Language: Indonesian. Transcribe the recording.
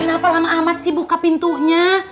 kenapa lama amat sih buka pintunya